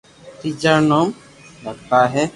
تيجا رو نوم لتا ھي